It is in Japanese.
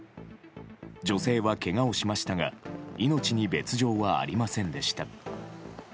女性はけがをしましたが命に別状はありませんでした。